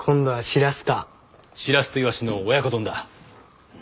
しらすといわしの親子丼だ。